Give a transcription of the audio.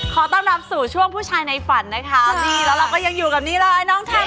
ขอต้อนรับสู่ช่วงผู้ชายในฝันนะคะนี่แล้วเราก็ยังอยู่กับนี่เลยน้องไทย